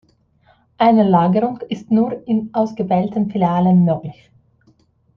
Eine Lagerung ist nur in ausgewählten Filialen möglich.